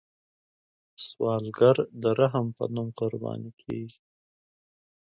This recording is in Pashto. سوالګر د رحم په نوم قرباني کیږي